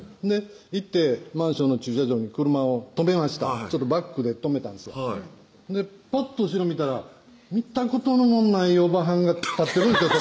行ってマンションの駐車場に車を止めましたバックで止めたんですわぱっと後ろ見たら見たことのないおばはんが立ってるんですよ